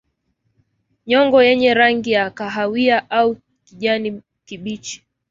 Nyongo yenye rangi ya kahawia au kijani kibichi